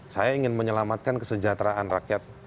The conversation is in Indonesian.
saya ingin menyelamatkan kesejahteraan rakyat